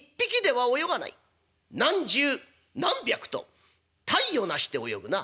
何十何百と隊を成して泳ぐな。